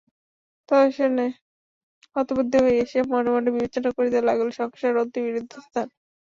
তদ্দর্শনে হতবুদ্ধি হইয়া সে মনে মনে বিবেচনা করিতে লাগিল সংসার অতি বিরুদ্ধ স্থান।